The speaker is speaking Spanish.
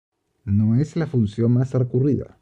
No es la fusión más recurrida.